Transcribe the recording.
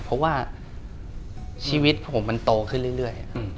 เพราะว่าชีวิตของผมมันโตขึ้นเรื่อย